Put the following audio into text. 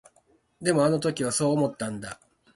でも、あの時はそう思ったんだ。